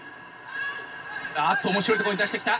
あっと面白いところに出してきた。